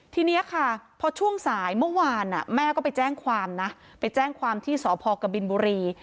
ทีนี้ค่ะพอช่วงสายเมื่อวานแม่ก็ไปแจ้งความนะไปแจ้งความที่สพกบินบุรี